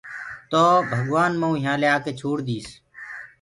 تو ڀگوآن مئوُ يهآنٚ ڪيآ ڪي ڇوڙ ديٚس۔